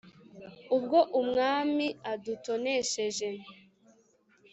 «ubwo umwami adutonesheje,